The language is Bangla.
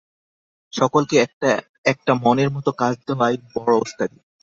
সকলকে একটা একটা মনের মত কাজ দেওয়াই বড় ওস্তাদি।